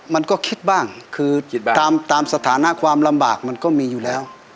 มันก็คิดบ้างคือตามสถานะความลำบากมันก็มีอยู่แล้ว